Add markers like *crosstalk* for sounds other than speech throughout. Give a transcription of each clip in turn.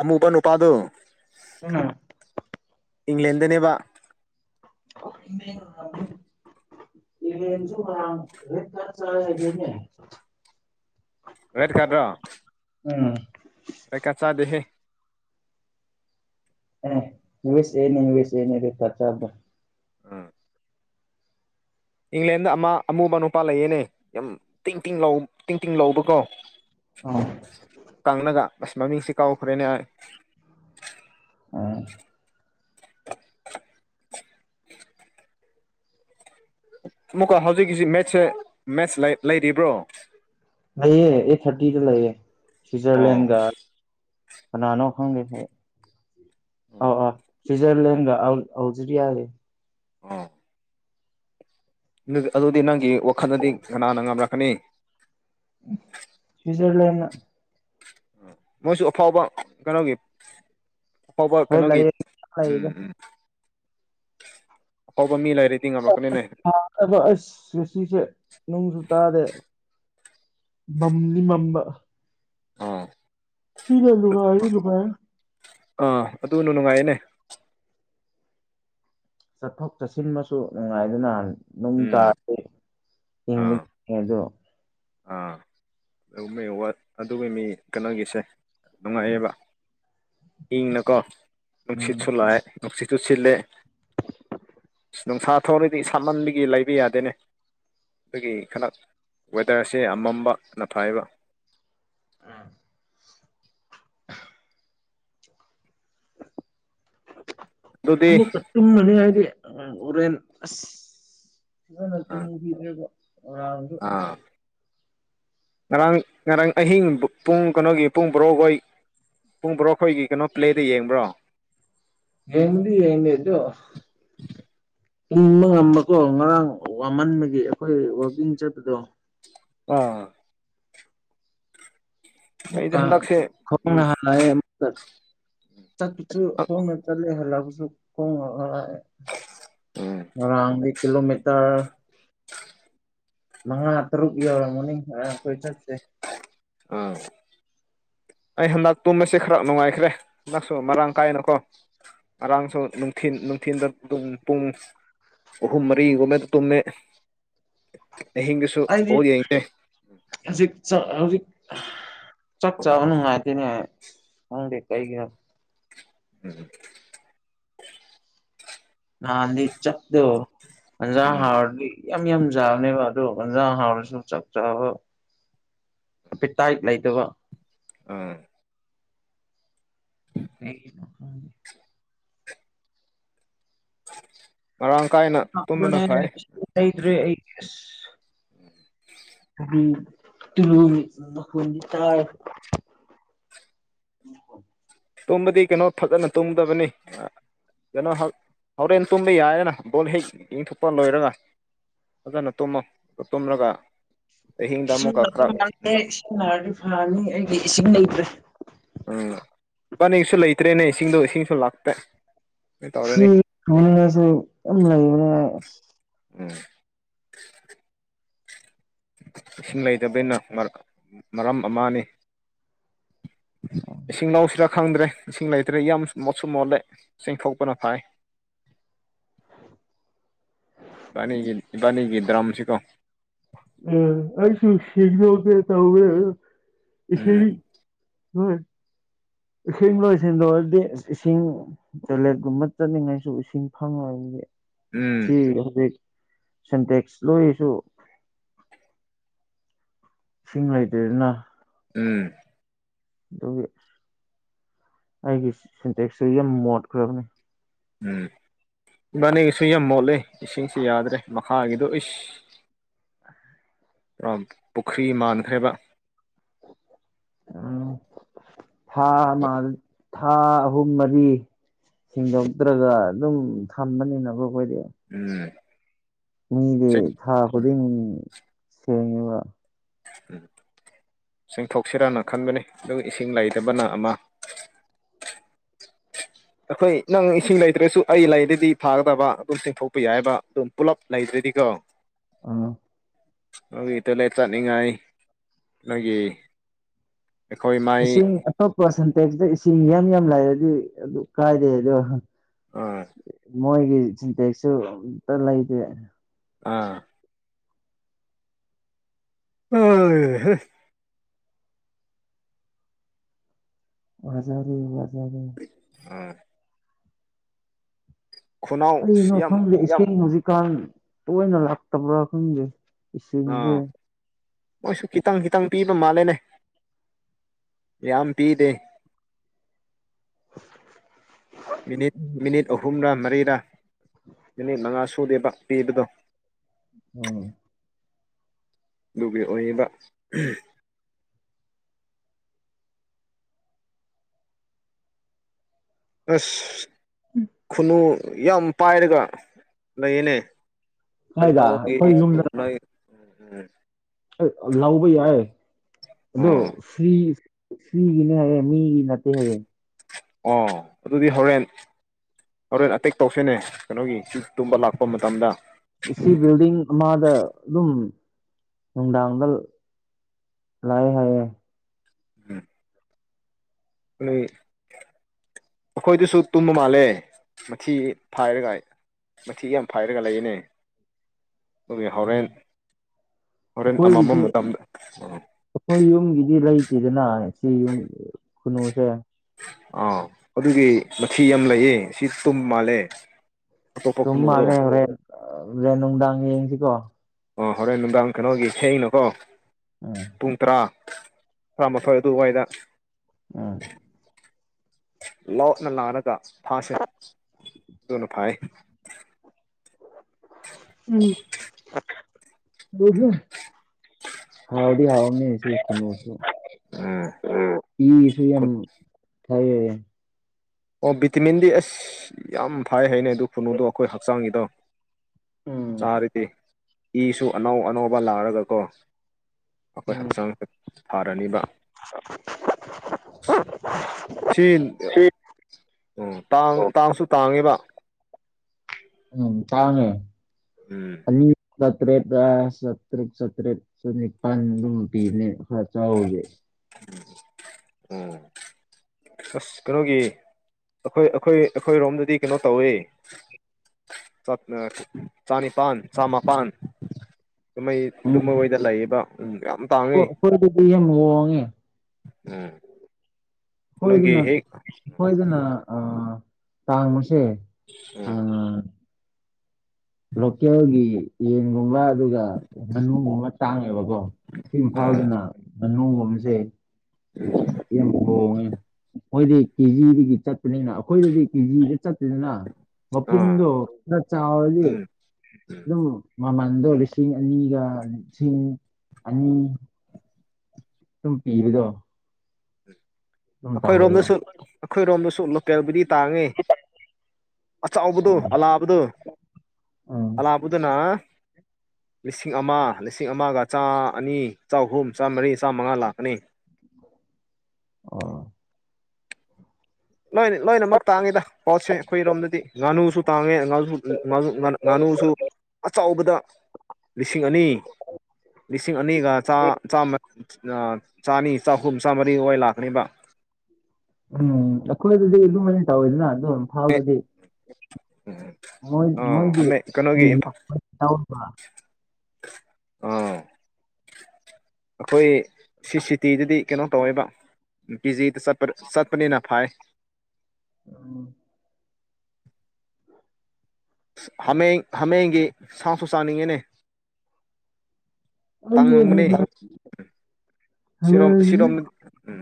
ꯑꯃꯨꯕ ꯅꯨꯄꯥꯗꯣ ꯎꯝ ꯏꯪꯂꯦꯟꯗꯅꯦꯕ *unintelligible* *unintelligible* *unintelligible* ꯎꯝ ꯔꯦꯗ ꯀꯥꯗ ꯆꯥꯗꯦꯍꯦ *unintelligible* ꯎꯝ ꯏꯪꯂꯦꯟꯗ ꯑꯃ ꯑꯃꯨꯕ ꯅꯨꯄꯥ ꯂꯩꯌꯦꯅꯦ ꯌꯥꯝ ꯇꯤꯡ ꯇꯤꯡ ꯂꯥꯎ ꯇꯤꯡ ꯇꯤꯡ ꯂꯥꯎꯕꯀꯣ ꯑꯣ ꯀꯪꯂꯒ ꯑꯁ ꯃꯃꯤꯡꯁꯦ ꯀꯥꯎꯈ꯭ꯔꯦꯅꯦ ꯍꯣꯏ ꯑꯝ ꯑꯃꯨꯛꯀ ꯍꯧꯖꯤꯛꯀꯤꯁꯤ ꯃꯦꯠꯁꯦ ꯃꯦꯠꯁ ꯂꯩꯔꯤꯕ꯭ꯔꯣ ꯂꯩꯌꯦ ꯑꯩꯠ ꯊꯥꯔꯇꯤꯗ ꯂꯩꯌꯦ ꯑꯣ ꯁ꯭ꯋꯤꯖꯔꯂꯦꯟꯒ ꯀꯅꯥꯅꯣ ꯈꯪꯗꯦ *unintelligible* ꯁ꯭ꯋꯤꯠꯖꯔꯂꯦꯟꯒ *unintelligible* ꯑꯝ ꯑꯗꯨꯗꯤ ꯅꯪꯒꯤ ꯋꯥꯈꯜꯗꯗꯤ ꯀꯅꯥꯅ ꯉꯝꯔꯛꯀꯅꯤ ꯁ꯭ꯋꯤꯠꯖꯔꯂꯦꯟꯅ ꯃꯣꯏꯁꯨ ꯑꯐꯥꯎꯕ ꯀꯩꯅꯣꯒꯤ ꯑꯐꯥꯎꯕ ꯍꯣꯏ ꯀꯩꯅꯣꯒꯤ ꯂꯩꯌꯦ ꯎꯝ ꯂꯩꯗ ꯎꯝ ꯑꯐꯥꯎꯕ ꯃꯤ ꯂꯩꯔꯗꯤ ꯉꯝꯔꯛꯀꯅꯤꯅꯦ ꯑꯗꯣ ꯑꯁ ꯉꯁꯤ ꯁꯦ ꯅꯣꯡꯁꯨ ꯇꯥꯔꯦ ꯃꯝꯂꯤ ꯃꯝꯕ ꯑꯥ ꯁꯤ *unintelligible* ꯑꯥ ꯑꯗꯨꯅ ꯅꯨꯡꯉꯥꯏꯌꯦꯅꯦ ꯆꯠꯊꯣꯛ ꯆꯠꯁꯤꯟꯗꯁꯨ ꯅꯨꯡꯉꯥꯏꯗꯅ‌ ꯅꯣꯡ ꯎꯝ ꯇꯥꯔꯗꯤ ꯏꯪꯕ ꯑꯥ *unintelligible* ꯗꯣ ꯑꯥ *unintelligible* ꯃꯤ ꯀꯩꯅꯣꯒꯤꯁꯦ ꯅꯨꯡꯉꯥꯏꯌꯦꯕ ꯏꯪꯅꯀꯣ ꯅꯨꯡꯁꯤꯠꯁꯨ ꯎꯝ ꯂꯥꯛꯑꯦ ꯅꯨꯡꯁꯤꯠꯁꯨ ꯁꯤꯠꯂꯦ ꯅꯨꯡꯁꯥ ꯊꯣꯛꯔꯗꯤ ꯁꯥꯃꯟꯕꯒꯤ ꯂꯩꯕ ꯌꯥꯗꯦꯅꯦ ꯑꯩꯈꯣꯏꯒꯤ ꯈꯅꯛ ꯇꯔꯁꯦ ꯑꯃꯝꯕ ꯅ ꯐꯩꯕ ꯑ ꯑꯗꯨꯗꯤ ꯑꯃꯨꯛꯀ ꯇꯨꯝꯃꯅꯤ ꯍꯥꯏꯗꯤ ꯍꯣꯔꯦꯟ ꯑꯁ ꯐꯖꯅ ꯇꯨꯝꯕꯤꯔꯦꯕ ꯉꯔꯥꯡꯗꯤ ꯑꯥ ꯉꯔꯥꯡ ꯉꯔꯥꯡ ꯑꯍꯤꯡ ꯄꯨꯡ ꯀꯩꯅꯣꯒꯤ ꯄꯨꯡ ꯕꯥꯔꯣꯈꯣꯏ ꯄꯨꯡ ꯕꯣꯔꯣꯈꯣꯏꯒꯤ ꯀꯩꯅꯣ ꯄ꯭ꯂꯦꯗꯣ ꯌꯦꯡꯕ꯭ꯔꯣ ꯌꯦꯡꯗꯤ ꯌꯦꯡꯗꯦ ꯑꯗꯨ ꯇꯨꯝꯕ ꯉꯝꯕꯀꯣ ꯉꯔꯥꯡ ꯋꯥꯃꯟꯕꯒꯤ ꯑꯩꯈꯣꯏ ꯋꯥꯛꯀꯤꯡ ꯆꯠꯄꯗꯣ ꯑꯥ ꯑꯩꯗꯤ *unintelligible* ꯍꯟꯗꯛꯁꯦ ꯎꯝ ꯆꯠ ꯆꯠꯄꯁꯨ ꯈꯣꯡꯅ ꯆꯠꯂꯦ ꯍꯜꯂꯛꯄꯁꯨ ꯈꯣꯡꯅ ꯍꯜꯂꯛꯑꯦ ꯎꯝ ꯉꯔꯥꯡꯗꯤ ꯀꯤꯂꯣꯃꯤꯇꯔ ꯃꯉꯥ ꯇꯔꯨꯛ ꯌꯧꯔꯝꯃꯅꯤ ꯉꯔꯥꯡ ꯑꯩꯈꯣꯏ ꯆꯠꯁꯦ ꯑꯥ ꯑꯩ ꯍꯟꯗꯛ ꯇꯨꯝꯕꯁꯦ ꯈꯔ ꯅꯨꯡꯉꯥꯏꯈ꯭ꯔꯦ ꯍꯟꯗꯛꯁꯨ ꯃꯔꯥꯡ ꯀꯥꯏꯅꯀꯣ ꯉꯔꯥꯡꯁꯨ ꯅꯨꯡꯊꯤꯟ ꯅꯨꯡꯊꯤꯟꯗ ꯑꯗꯨꯝ ꯄꯨꯡ ꯑꯍꯨꯝ ꯃꯔꯤ ꯒꯨꯝꯃꯦ ꯇꯨꯝꯃꯦ ꯑꯍꯤꯡꯗꯁꯨ ꯑꯩꯗꯤ ꯕꯣꯜ ꯌꯦꯡꯉꯦ ꯍꯧꯖꯤꯛ ꯆꯥꯛ ꯍꯧꯖꯤꯛ ꯆꯥꯛ ꯆꯥꯕ ꯅꯨꯡꯉꯥꯏꯇꯦꯅꯦ ꯈꯪꯗꯦ ꯀꯩꯒꯤꯅꯣ ꯎꯝ ꯉꯍꯥꯟꯗꯤ ꯆꯛꯇꯨ ꯏꯟꯖꯥꯡ ꯎꯝ ꯍꯥꯎꯔꯗꯤ ꯌꯥꯝ ꯌꯥꯝ ꯆꯥꯕꯅꯦꯕ ꯑꯗꯣ ꯑꯟꯖꯥꯡ ꯍꯥꯎꯔꯁꯨ ꯆꯥꯛ ꯆꯥꯕ ꯄꯤꯇꯥꯏꯠ ꯂꯩꯇꯕ ꯑꯥ *unintelligible* *unintelligible* *unintelligible* ꯃꯔꯥꯡ ꯀꯥꯏꯅ ꯇꯨꯝꯕꯅ ꯐꯩ *unintelligible* ꯑꯩ *unintelligible* ꯇꯨꯂꯨꯒꯤ ꯃꯈꯣꯟꯗꯤ ꯇꯥꯏ ꯇꯨꯝꯕꯗꯤ ꯀꯩꯅꯣ ꯐꯖꯅ ꯇꯨꯝꯗꯕꯅꯤ ꯀꯩꯅꯣ ꯍꯧ ꯍꯧꯔꯦꯟ ꯇꯨꯝꯕ ꯌꯥꯏꯅ ꯕꯣꯜ ꯍꯦꯛ ꯌꯦꯡꯊꯣꯛꯄ ꯂꯣꯏꯔꯒ ꯐꯖꯅ ꯇꯨꯝꯃꯣ ꯇꯨꯝꯂꯒ ꯑꯍꯤꯡꯗ ꯏꯁꯤꯡ ꯑꯃꯨꯛꯀ ꯑꯗꯨ ꯈꯔ ꯂꯥꯛꯑꯦ ꯏꯁꯤꯡ ꯅꯥꯔꯗꯤ ꯐꯔꯅꯤ ꯑꯩꯒꯤ ꯏꯁꯤꯡ ꯂꯩꯇ꯭ꯔꯦ ꯎꯝ ꯄꯅꯤꯁꯨ ꯂꯩꯇ꯭ꯔꯦꯅꯦ ꯏꯁꯤꯡꯗꯣ ꯏꯁꯤꯡꯁꯨ ꯂꯥꯛꯇꯦ ꯀꯩ ꯁꯤ ꯇꯧꯔꯅꯤ *unintelligible* ꯌꯥꯝ ꯂꯩꯌꯦ ꯎꯝ ꯏꯁꯤꯡ ꯂꯩꯇꯕꯩꯅ ꯃ ꯃꯔꯝ ꯑꯃꯅꯤ ꯏꯁꯤꯡ ꯂꯧꯁꯤꯔꯥ ꯈꯪꯗ꯭ꯔꯦ ꯏꯁꯤꯡ ꯂꯩꯇ꯭ꯔꯦ ꯌꯥꯝ ꯃꯣꯠꯁꯨ ꯃꯣꯠꯂꯦ ꯆꯤꯡꯊꯣꯛꯄꯅ ꯐꯩ ꯏꯕꯥꯅꯤꯒꯤ ꯏꯕꯥꯅꯤꯒꯤ ꯗ꯭ꯔꯝꯁꯤꯀꯣ ꯑ ꯑꯩꯁꯨ ꯏꯁꯤꯡ ꯂꯧꯒꯦ ꯇꯧꯋꯦ ꯎꯝ ꯏꯁꯤꯡ *unintelligible* ꯏꯁꯤꯡ ꯂꯣꯏꯁꯤꯟꯂꯣꯗꯤ ꯏꯁꯤꯡ ꯇꯣꯏꯂꯦꯠꯀꯨꯝꯕ ꯆꯠꯅꯤꯡꯉꯥꯏꯁꯨ ꯏꯁꯤꯡ ꯐꯪꯉꯕꯗꯤ ꯎꯝ ꯁꯤ ꯍꯧꯖꯤꯛ ꯁꯦꯟꯇꯦꯛꯁ ꯂꯣꯏꯁꯨ ꯏꯁꯤꯡ ꯂꯩꯇꯦꯗꯅ ꯎꯝ ꯑꯗꯨꯒꯤ ꯑꯩꯒꯤ ꯁꯤꯟꯇꯦꯛꯁꯇꯨ ꯌꯥꯝ ꯃꯣꯠꯈ꯭ꯔꯕꯅꯤ ꯎꯝ ꯏꯕꯥꯅꯤꯒꯤꯁꯦ ꯌꯥꯝ ꯃꯣꯠꯂꯦ ꯏꯁꯤꯡꯁꯤ ꯌꯥꯗ꯭ꯔꯦ ꯃꯈꯥꯒꯤꯗꯣ ꯎꯩꯁ ꯑ *inaudible* ꯄꯔꫭꯝ ꯄꯨꯈ꯭ꯔꯤ ꯃꯥꯟꯈ꯭ꯔꯦꯕ ꯎꯝ *inaudible* ꯊꯥ ꯑꯃ ꯊꯥ ꯑꯍꯨꯝ ꯃꯔꯤ ꯁꯦꯡꯗꯣꯛꯇ꯭ꯔꯒ ꯑꯗꯨꯝ ꯊꯝꯕꯅꯤꯅꯀꫭ ꯑꯩꯈꯣꯏꯗꯤ ꯎꯝ ꯃꯤꯗꯤ ꯊꯥ ꯈꯨꯗꯤꯡ ꯁꯦꯡꯉꯦꯕ ꯎꯝ ꯁꯦꯡꯊꯣꯛꯁꯤꯔꯅ ꯈꯟꯕꯅꯦ ꯑꯗꯨꯒ ꯏꯁꯤꯡ ꯂꯩꯇꯕꯅ ꯑꯃ ꯑꯩꯈꯣꯏ ꯅꯪ ꯏꯁꯤꯡ ꯂꯩꯇ꯭ꯔꯁꯨ ꯑꯩ ꯂꯩꯔꯗꯤ ꯐꯥꯒꯗꯕ ꯑꯗꯨꯝ ꯆꯤꯡꯊꯣꯛꯄ ꯌꯥꯏꯑꯦꯕ ꯑꯗꯨꯝ ꯄꯨꯜꯂꯞ ꯂꯩꯇ꯭ꯔꯗꯤꯀꯣ *inaudible* ꯑꫭ ꯅꯣꯏꯒꯤ ꯇꯣꯏꯂꯦꯠ ꯆꯠꯅꯤꯡꯉꯥꯏ ꯅꯣꯏꯒꯤ ꯑꯩꯈꯣꯏ ꯃꯥꯏ ꯏꯁꯤꯡ ꯑꯇꯣꯞꯄ ꯁꯟꯇꯦꯛꯇ ꯏꯁꯤꯡ ꯌꯥꯝ ꯌꯥꯝ ꯂꯥꯏꯔꯗꯤ ꯑꯗꯨ ꯀꯥꯏꯗꯦ ꯑꯗꯣ ꯑꯥ ꯃꯣꯏꯒꯤ ꯁꯤꯟꯇꯦꯛꯁꯨ ꯑꯝꯇ ꯂꯩꯗꯦ ꯑꯥ ꯑꯣꯏ ꯍꯦ ꯋꯥꯖꯔꯦ ꯋꯥꯖꯔꯦ ꯎꯝ ꯈꯨꯅꯥꯎ ꯀꯔꯤꯅꯣ ꯌꯥꯝ ꯈꯪꯗꯦ ꯑꯦꯠꯖꯥꯝꯁꯤ ꯍꯧꯖꯤꯛꯀꯥꯟ ꯇꯣꯏꯅ ꯂꯥꯛꯇꯕ꯭ꯔꯥ ꯈꯪꯗꯦ ꯏꯁꯤꯡꯖꯦ ꯑꯥ ꯃꯣꯏꯁꯨ ꯈꯤꯇꯪ ꯈꯤꯇꯪ ꯄꯤꯕ ꯃꯥꯜꯂꯦꯅꯦ ꯌꯥꯝ ꯄꯤꯗꯦ ꯃꯤꯅꯤꯠ ꯑꯍꯨꯝꯔꯥ ꯃꯔꯤꯔꯥ ꯃꯤꯅꯤꯠ ꯃꯉꯥ ꯁꯨꯗꯦꯕ ꯄꯤꯕꯗꯣ ꯎꯝ ꯑꯗꯨꯒꯤ ꯑꯣꯏꯔꯤꯕ ꯑꯁ ꯈꯨꯅꯨ ꯌꯥꯝ ꯄꯥꯏꯔꯒ ꯂꯩꯌꯦꯅꯦ ꯀꯥꯏꯗ ꯑꯩꯈꯣꯏ ꯌꯨꯝꯗ ꯑꯩꯩꯅꯒꯤꯅ ꯎ ꯎꯝ *inaudible* ꯂꯧꯕ ꯌꯥꯏ ꯑꯗꯣ ꯑꯥ ꯐ꯭ꯔꯤ ꯐ꯭ꯔꯤꯒꯤꯅꯦ ꯍꯥꯏꯌꯦ ꯃꯤꯒꯤ ꯅꯠꯇꯦ ꯍꯥꯏꯌꯦ ꯑꯣ ꯑꯗꯨꯗꯤ ꯍꯣꯔꯦꯟ ꯍꯣꯔꯦꯟ ꯑꯦꯇꯦꯛ ꯇꯧꯁꯦꯅꯦ ꯀꯩꯅꯣꯒꯤ ꯇꯨꯝꯕ ꯂꯥꯛꯄ ꯃꯇꯝꯗ ꯁꯤ ꯕꯤꯜꯗꯤꯡ ꯑꯃꯗ ꯑꯗꯨꯝ ꯅꯨꯡꯗꯥꯡꯗ ꯂꯥꯏ ꯍꯥꯏꯌꯦ ꯍꯝ *inaudible* ꯅꫭꯏ *inaudible* ꯑꯩꯈꯣꯏꯗꯁꯨ ꯇꯨꯝꯕ ꯃꯥꯜꯂꯦ ꯃꯊꯤ ꯐꯥꯏꯔꯒꯥ ꯃꯊꯤ ꯌꯥꯝ ꯐꯥꯏꯔꯒ ꯂꯩꯌꯦꯅꯦ ꯑꯗꯨꯒꯤ ꯍꯣꯔꯦꯟ ꯍꯣꯔꯦꯟ ꯑꯃꯝꯕ ꯑꯩꯈꯣꯏꯒꯤꯗꯤ ꯃꯇꯝꯗ ꯑꯩꯈꯣꯏ ꯌꯨꯝꯒꯤꯗꯤ ꯂꯩꯇꯦꯗꯅ ꯁꯤ ꯌꯨꯝ ꯈꯨꯟꯅꯨꯁꯦ ꯑꯥ ꯑꯗꯨꯒꯤ ꯃꯊꯤ ꯌꯥꯝ ꯂꯩꯌꯦ ꯁꯤ ꯇꯨꯝ ꯃꯥꯜꯂꯦ ꯑꯇꯣꯞꯄ ꯇꯨꯝ ꯈꯨꯅꯨꯗꯣ ꯃꯥꯜꯂꯦ ꯍꯣꯔꯦꯟ ꯍꯣꯔꯦꯟ ꯅꯨꯡꯗꯥꯡ ꯌꯦꯡꯁꯤꯀꯣ ꯑꯣ ꯍꯣꯔꯦꯟ ꯅꯨꯡꯗꯥꯡ ꯀꯩꯅꯣꯒꯤ ꯊꯦꯡꯒꯅꯨꯀꯣ ꯎꯝ ꯄꯨꯡ ꯇ꯭ꯔꯥ ꯇ꯭ꯔꯥꯃꯥꯊꯣꯏ ꯑꯗꯨꯋꯥꯏꯗ ꯑꯥ ꯂꯣꯠꯅ ꯂꯥꯛꯔꯒ ꯐꯥꯁꯦ ꯑꯗꯨꯅ ꯐꯥꯏ ꯎꯝ ꯍꯥꯎꯗꯤ ꯍꯥꯎꯔꯝꯅꯤ ꯁꯤ ꯈꯨꯅꯨꯁꯨ ꯎꯝ ꯑꯝ ꯃꯤꯒꯤꯁꯨ ꯌꯥꯝ ꯐꯩꯌꯦ ꯑꯣ ꯚꯤꯇꯤꯃꯤꯟꯗꯤ ꯑꯁ ꯌꯥꯝ ꯐꯥꯏ ꯍꯥꯏꯅꯦ ꯑꯗꯨ ꯈꯨꯅꯨꯗꯣ ꯑꯩꯈꯣꯏ ꯍꯛꯆꯥꯡꯒꯤꯗꯣ ꯎꯝ ꯆꯥꯔꯗꯤ ꯏꯁꯨ ꯑꯅꯧ ꯑꯅꯧꯕ ꯂꯥꯛꯔꯒꯀꯣ ꯑꯩꯈꯣꯏ ꯎꯝ ꯍꯛꯆꯥꯡ ꯐꯥꯔꯅꯤꯕ ꯁꯤꯜ ꯎꯝ ꯇꯥꯡ ꯇꯥꯡꯁꯨ ꯇꯥꯡꯉꯤꯕ ꯎꯝ ꯇꯥꯡꯉꯦ ꯎꯝ ꯆꯇ꯭ꯔꯦꯠ ꯑꯥ ꯆꯇ꯭ꯔꯦꯠ ꯆꯇ꯭ꯔꯦꯠ ꯆꯅꯤꯄꯥꯟ ꯑꯗꯨꯝ ꯄꯤꯕꯅꯦ ꯈꯔ ꯆꯥꯎꯔꯗꯤ *unintelligible* ꯑꯁ ꯀꯩꯅꯣꯒꯤ ꯑꯩꯈꯣꯏ ꯑꯩꯈꯣꯏ ꯑꯩꯈꯣꯏ ꯔꯣꯝꯗꯗꯤ ꯀꯩꯅꯣ ꯇꯧꯌ‌ꯦ ꯆꯅꯤꯄꯥꯟ ꯆꯃꯥꯄꯥꯟ ꯑꯗꯨꯃꯥꯏ ꯑꯗꯨꯝ ꯎꯝ ꯃꯣꯏꯗ ꯂꯩꯌ‌ꯦꯕ ꯎꯝ ꯌꯥꯝ ꯇꯥꯡꯉ‌ꯦ ꯑꯩꯈꯣꯏꯗꯗꯤ ꯌꯥꯝ ꯍ‌ꯣꯡꯉꯦ ꯎꯝ ꯅꯣꯏꯒꯤ ꯑꯩꯈ‌ꯣꯏꯗꯅ ꯍꯦꯛ ꯑꯩꯈ‌ꯣꯏꯗꯅ ꯑ ꯇꯥꯡꯕꯁꯦ ꯎꯝ ꯂꯣꯀꯦꯜꯒꯤ ꯌꯦꯟꯒꯨꯝꯕ ꯑꯗꯨꯒ ꯉꯥꯅꯨꯒꯨꯝꯕ ꯇꯥꯡꯉꯦꯕꯀꯣ ꯁꯤ ꯑꯥ ꯏꯝꯐꯥꯎꯗꯅ ꯉꯥꯅꯨꯒꯨꯝꯕꯁꯦ ꯌꯥꯝ ꯍ‌ꯣꯡꯉ‌ꯦ ꯃꯣꯏꯗꯤ ꯀꯦꯖꯤꯗꯒꯤ ꯆꯠꯄꯅꯤꯅ ꯑꯩꯈꯣꯏꯗꯗꯤ ꯀꯦꯖꯤꯗ ꯆꯠꯇ‌ꯦꯗꯅ ꯑꯥ ꯃꯄꯨꯡꯗꯣ ꯈꯔꯥ ꯆꯥꯎꯔꯗꯤ ꯎꯝ ꯑꯗꯨꯝ ꯃꯥꯃꯟꯗꯣ ꯂꯤ ꯂꯤꯁꯤꯡ ꯑꯅꯤꯒ ꯂꯤꯁꯤꯡ ꯑꯅꯤ ꯑꯗꯨꯝ ꯄꯤꯕꯗꯣ ꯑꯗꯨꯝ ꯇꯧꯋꯦꯕ ꯑꯩꯈꯣꯏꯔꯣꯝꯗꯁꯨ ꯑꯩꯈꯣꯏꯔꯣꯝꯗꯁꯨ ꯂꯣꯀꯦꯜꯕꯨꯗꯤ ꯇꯥꯡꯉ‌ꯦ ꯑꯆꯥꯎꯕꯗꯣ ꯑꯣ ꯑꯂꯥꯕꯗꯣ ꯎꯝ ꯑꯂꯥꯕꯗꯨꯅꯥ ꯂꯤꯁꯤꯡ ꯑꯃ ꯂꯤꯁꯤꯡ ꯑꯃꯒ ꯆꯥ ꯑꯅꯤ ꯆꯍꯨꯝ ꯆꯥꯝꯃꯔꯤ ꯆꯥꯝꯃꯉꯥ ꯂꯥꯛꯀꯅꯤ ꯑꯥ ꯂꯣꯏ ꯂꯣꯏꯅꯃꯛ ꯇꯥꯡꯉ‌ꯦꯗ ꯄꯣꯠꯁꯦ ꯑꯩꯈꯣꯏꯔꯣꯝꯗꯗꯤ ꯉꯥꯅꯨꯁꯨ ꯇꯥꯡꯉꯦ ꯉꯥꯅꯨ ꯉꯥꯅꯨ ꯉꯥꯅꯨꯁꯨ ꯑꯆꯧꯕꯗ ꯂꯤꯁꯤꯡ ꯑꯅꯤ ꯂꯤꯁꯤꯡ ꯑꯅꯤꯒꯥ ꯆꯥꯝ ꯆꯥꯝꯃ ꯆꯥꯅꯤ ꯆꯍꯨꯝ ꯆꯥꯝꯃꯔꯤ ꯍ‌ꯣꯏ ꯂꯥꯛꯀꯅꯦꯕ ꯎꯝ ꯑꯩꯈꯣꯏꯗꯗꯤ ꯑꯗꯨꯃꯥꯏꯅꯥ ꯇꯧꯏꯗꯅꯥ ꯑꯗꯣ ꯏꯝꯐꯜꯗꯗꯤ ꯎꯝ ꯃꯣꯏ ꯑꯥ ꯃꯣꯏꯗꯤ ꯑꯃ ꯀꯩꯅꯣꯒꯤ ꯏꯝꯐꯥꯜ *unintelligible* ꯑꯥ ꯑꯩꯈꯣꯏ ꯁꯤ ꯁꯤꯇꯤꯗꯗꯤ ꯀꯩꯅꯣ ꯇꯧꯋꯦꯕ ꯀꯤ ꯖꯤꯗ ꯆꯠꯄ ꯆꯠꯄꯅꯤꯅ ꯐꯥꯏ ꯎꯝ ꯍꯥꯃꯦꯡ ꯍꯥꯃꯦꯡꯒꯤ ꯁꯥꯁꯨ ꯆꯥꯅꯤꯡꯉꯤꯅꯦ ꯑꯩꯗꯤ ꯇꯥꯡꯉꯝꯒꯅꯤ ꯍꯥꯃꯦꯡ ꯁꯤꯔꯣꯝ ꯍꯥꯃꯦꯡꯗꯤ ꯁꯤꯔꯣꯝꯗꯗꯤ ꯎꯝ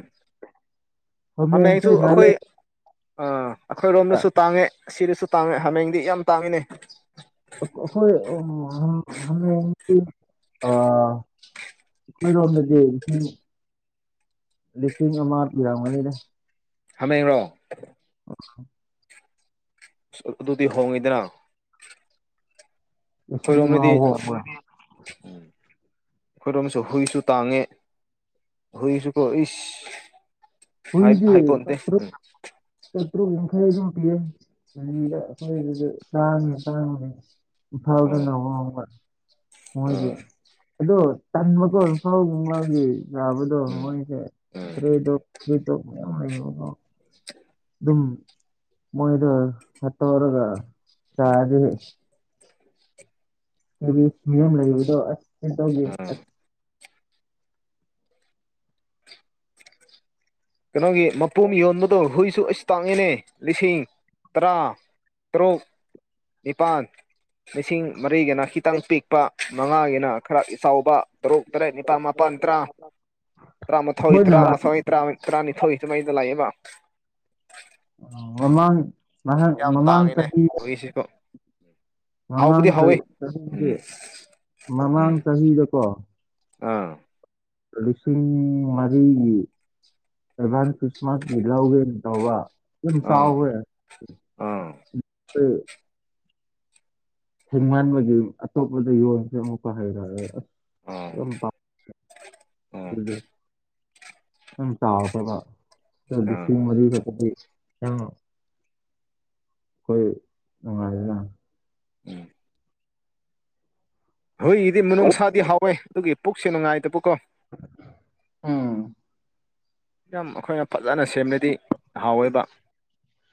ꯍꯥꯃꯦꯡꯁꯦ ꯍꯥꯃꯦꯡꯁꯨ ꯑꯩꯈꯣꯏ ꯅꯥꯏꯟꯇꯤꯗ ꯑꯥ ꯑꯩꯈꯣꯏꯔꯣꯝꯗꯁꯨ ꯇꯥꯡꯉꯦ ꯁꯤꯗꯁꯨ ꯇꯥꯡꯉꯦ ꯍꯥꯃꯦꯡꯗꯤ ꯌꯥꯝ ꯇꯥꯡꯉꯤꯅꯦ *unintelligible* ꯑꯩꯈꯣꯏꯔꯣꯝꯗꯗꯤ ꯂꯤꯁꯤꯡ ꯂꯤꯁꯤꯡ ꯑꯃ ꯄꯤꯔꯝꯒꯅꯤꯗ ꯍꯥꯃꯦꯡꯔꯣ ꯑꯁ ꯑꯗꯨꯗꯤ ꯍꯣꯡꯉꯤꯗꯅ ꯂꯤꯁꯤꯡ ꯑꯃ ꯑꯩꯈꯣꯏꯔꯣꯝꯗꯗꯤ ꯍꯣꯡꯕ꯭ꯔꯥ ꯑꯩꯈꯣꯏꯔꯣꯝꯗꯁꯨ ꯍꯨꯏꯁꯨ ꯇꯥꯡꯉꯦ ꯍꯨꯏꯁꯨꯀꯣ ꯏꯁ ꯍꯥꯏ ꯄ‌ꯣꯟꯇꯦ ꯎꯝ ꯆꯇ꯭ꯔ‌ꯦꯠ ꯌꯥꯡꯈꯩ ꯑꯗꯨꯝ ꯄꯤꯌ‌ꯦ *unintelligible* ꯑꯣ ꯏꯝꯐꯥꯜꯗꯅ ꯍꯣꯡꯕ ꯃꯣꯏꯗꯤ ꯑꯥ ꯑꯗꯣ ꯇꯟꯕꯀꯣ ꯏꯝꯐꯥꯜ ꯒꯨꯝꯕꯒꯤ ꯆꯥꯕꯗꯣ ꯎꯝ ꯃꯣꯏꯁꯦ ꯎꯝ ꯏꯁꯇꯔꯤꯠ ꯗꯣꯛ ꯏꯁꯇꯔꯤꯠ ꯗ‌ꯣꯛ ꯃꯌꯥꯝ ꯂꯩꯕꯀ‌ꯣ ꯗꯨꯝ ꯃꯣꯏꯗꯨ *unintelligible* ꯆꯥꯔꯗꯤ ꯃꫭꯏꯒꯤ ꯃꯤꯌꯥꯝ ꯂꯩꯗꯣ ꯑꯁ *unintelligible* ꯇꯧꯒꯦ ꯎꯝ ꯑꯁ ꯀꯩꯅꯣꯒꯤ ꯃꯄꯨꯝ ꯌꯣꯟꯕ ꯗꯣ ꯍꯨꯏꯁꯨ ꯑꯩꯁ ꯇꯥꯡꯉꯤꯅꯦ ꯂꯤꯁꯤꯡ ꯇꯔꯥ ꯇꯔꯨꯛ ꯅꯤꯄꯥꯟ ꯂꯤꯁꯤꯡ ꯃꯔꯤꯒꯅ ꯈꯤꯇꯪ ꯄꯤꯛ ꯂꯨꯄꯥ ꯃꯉꯥꯒꯤꯅ ꯈꯔ ꯏꯆꯥꯎꯕ ꯇꯔꯨꯛ ꯇꯔꯦꯠ ꯅꯤꯄꯥꯜ ꯃꯥꯄꯜ ꯇꯔꯥ ꯑꯩꯈꯣꯏꯅ ꯇꯔꯥꯃꯥꯊꯣꯏ ꯇꯔꯥꯃꯥꯊꯣꯏ ꯇꯔꯥꯅꯤꯊꯣꯏ ꯁꯨꯃꯥꯏꯗ ꯂꯥꯛꯑꯦꯕ ꯃꯃꯥꯡ ꯃꯃꯥꯡ ꯆꯍꯤ ꯑꯣꯏꯁꯤꯀꫭ ꯃꯃꯥꯡ ꯆꯍꯤ ꯆꯍꯤꯁꯦ ꯎꯝ ꯃꯃꯥꯡ ꯎꯝ ꯆꯍꯤꯗꯀꯣ ꯑꯥ ꯂꯤꯁꯤꯡ ꯃꯔꯤꯒꯤ ꯑꯦꯚꯥꯟ ꯈ꯭ꯔꯤꯁꯃꯁꯀꯤ ꯂꯧꯒꯦ ꯇꯧꯕ ꯗꯨꯝ ꯑꯥ ꯆꯥꯎꯈ꯭ꯔꯦ ꯑꯥ ꯑꯦ ꯊꯦꯡꯃꯥꯟꯕꯒꯤ ꯑꯇꯣꯞꯄꯗ ꯌꯣꯟꯈꯔ ꯑꯃꯨꯛꯀ ꯍꯩꯔꯛꯑꯦ ꯑꯁ ꯑꯥ ꯌꯥꯝ ꯄꯥꯝ *inaudible* ꯑꯗꯨꯗꯤ ꯅꯪ ꯇꯥꯈꯔꯦꯕ *unintelligible* ꯑꯥ ꯂꯤꯁꯤꯡ ꯃꯔꯤꯒ *unintelligible* ꯏꯌꯥꯝꯕꯥꯎ ꯍꫭꯏ ꯅꯨꯉꯥꯏꯕ ꯖꯥꯅꯤ ꯎꯝ꯫ ꯍꯨꯏꯒꯤꯗꯤ ꯃꯅꯨꯡꯁꯥꯗꯤ ꯍꯥꯎꯋꯦ ꯑꯗꯨꯒꯤ ꯄꯨꯛꯁꯦ ꯅꯨꯡꯉꯥꯏꯗꯕꯀꯣ ꯎꯝ꯫ ꯌꯥꯝ ꯑꯩꯈꯣꯏꯅ ꯐꯖꯅ ꯁꯦꯝꯔꯗꯤ ꯍꯥꯎꯋꯦꯕ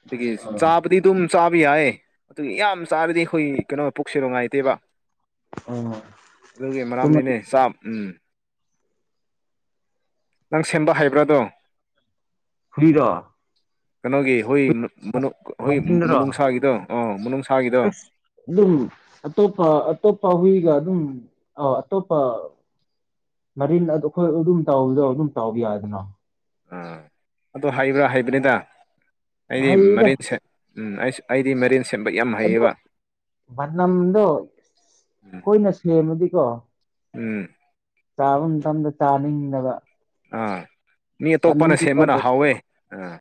ꯑꯗꯨꯒꯤ ꯆꯥꯕꯗꯤ ꯑꯗꯨꯝ ꯆꯥꯕ ꯌꯥꯏꯌꯦ ꯑꯗꯨ ꯌꯥꯝ ꯆꯥꯔꯗꯤ ꯑꯩꯈꯣꯏ ꯀꯩꯅꯣ ꯄꯨꯛꯁꯦ ꯅꯨꯡꯉꯥꯏꯇꯦꯕ ꯑꯣ ꯑꯗꯨꯒꯤ ꯁꯨꯝ ꯃꯔꯝꯅꯤꯅꯦ ꯆꯥꯛ ꯎꯝ ꯅꯪ ꯁꯦꯝꯕ ꯍꯩꯕ꯭ꯔꯥꯗꯣ꯫ ꯍꯨꯏꯔꯣ ꯀꯩꯅꯣꯒꯤ ꯍꯨꯏ ꯃꯅꯨ ꯃꯍꯤꯟꯗ꯭ꯔꯣ ꯍꯨꯏꯃꯅꯨꯡꯁꯥꯒꯤꯗꯣ ꯑꯥ ꯃꯅꯨꯡꯁꯥꯒꯤꯗꯣ ꯑꯁ ꯑꯗꯨꯝ ꯑꯇꯣꯞꯄ ꯑꯇꯣꯞꯄ ꯍꯨꯏꯒ ꯑꯗꯨꯝ ꯑ ꯑꯇꯣꯞꯄ ꯃꯔꯤꯟ ꯑꯗꯨ ꯑꯩꯈꯣꯏ ꯑꯗꯨꯝ ꯇꯧꯕꯗꯣ ꯑꯗꯨꯝ ꯇꯥꯎꯕ ꯌꯥꯏꯗꯅ ꯑꯥ ꯑꯗꯨ ꯍꯩꯕ꯭ꯔꯥ ꯍꯩꯕꯅꯤꯗ ꯑꯩꯗꯤ ꯍꯩꯗ ꯃꯔꯤꯟꯁꯦ ꯎꯝ ꯑꯩꯁꯨ ꯑꯩꯗꯤ ꯃꯔꯤꯟ ꯁꯦꯝꯕ ꯌꯥꯝ ꯑꯗꯨꯒ ꯍꯩꯌꯦꯕ ꯃꯅꯝꯗꯣ ꯑꯩꯈꫭꯏꯅ ꯁꯦꯝꯃꯗꯤꯀꯣ ꯎꯝ‌꯫ ꯆꯥꯕ ꯃꯇꯝꯗ ꯆꯥꯅꯤꯡꯗꯕ ꯑꯥ ꯃꯤ ꯑꯇꯣꯞꯄꯅ ꯆꯥꯅꯤꯡꯕ ꯁꯦꯝꯕꯅ ꯍꯥꯎꯋꯦ ꯑꯥ